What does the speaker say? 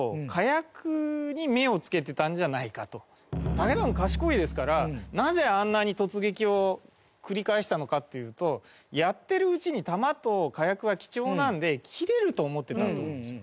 武田軍賢いですからなぜあんなに突撃を繰り返したのかっていうとやってるうちに弾と火薬は貴重なので切れると思ってたと思うんですよ。